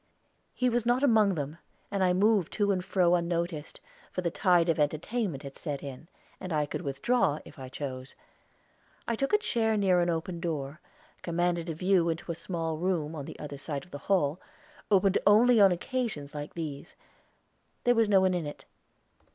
He was not among them, and I moved to and fro unnoticed, for the tide of entertainment had set in, and I could withdraw, if I chose. I took a chair near an open door, commanded a view into a small room, on the other side of the hall, opened only on occasions like these; there was no one in it.